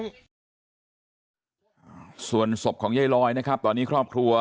ในสมุทรศพของไยรอยตอนนี้ครอบครัว